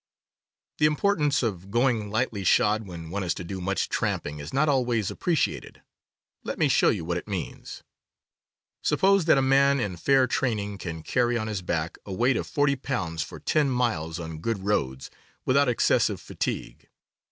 The importance of going lightly shod when one is to do much tramping is not always appreciated. Let me show what it means. Suppose that a man in fair train ing can carry on his back a weight of forty pounds for ten miles on good roads, without excessive fatigue.